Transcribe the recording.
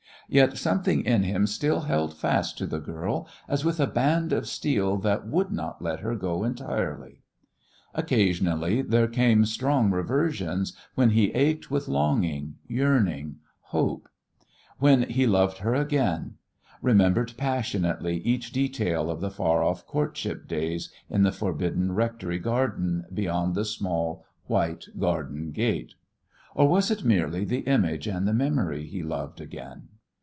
Yet something in him still held fast to the girl as with a band of steel that would not let her go entirely. Occasionally there came strong reversions, when he ached with longing, yearning, hope; when he loved her again; remembered passionately each detail of the far off courtship days in the forbidden rectory garden beyond the small, white garden gate. Or was it merely the image and the memory he loved "again"?